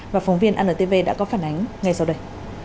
và phóng viên antv đã có phản ánh ngay sau đây